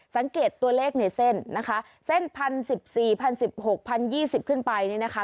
สังเกตตัวเลขในเส้นนะคะเส้นพันสิบสี่พันสิบหกพันยี่สิบขึ้นไปนี่นะคะ